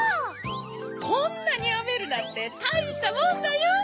こんなにあめるなんてたいしたもんだよ。